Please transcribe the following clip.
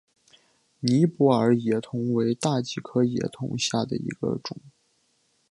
尼泊尔野桐为大戟科野桐属下的一个种。